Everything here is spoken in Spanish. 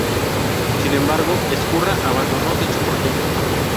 Sin embargo Ezcurra abandonó dicho proyecto.